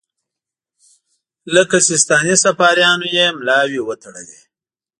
لکه سیستاني صفاریانو یې ملاوې وتړلې.